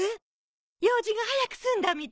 用事が早く済んだみたい。